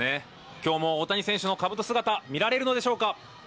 今日も大谷選手のかぶと姿見られるのでしょうか。